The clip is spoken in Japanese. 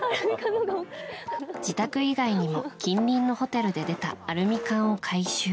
自宅以外にも近隣のホテルで出たアルミ缶を回収。